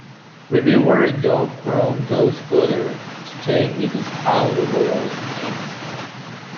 Reviewer Doug Brown goes further, stating this is how the world ends.